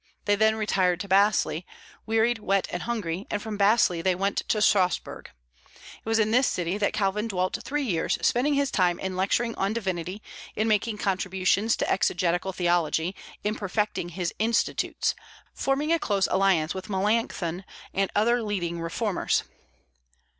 They then retired to Basle, wearied, wet, and hungry, and from Basle they went to Strasburg. It was in this city that Calvin dwelt three years, spending his time in lecturing on divinity, in making contributions to exegetical theology, in perfecting his "Institutes," forming a close alliance with Melancthon and other leading reformers.